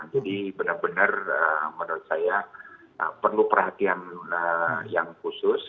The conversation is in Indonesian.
benar benar menurut saya perlu perhatian yang khusus